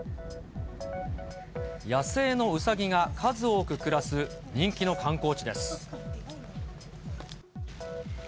野生のウサギが数多く暮らす人気の観光地です。